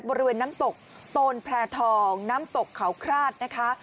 บริเวณน้ำตกโตนแพร่ทองน้ำตกเขาคลาดนะคะ